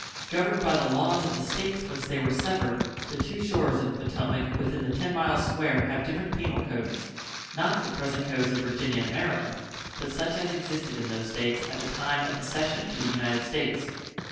Governed by the laws of the States whence they were severed, the two shores of the Potomac within the ten miles square have different penal codes not the present codes of Virginia and Maryland, but such as existed in those States at the time of the cession to the United States.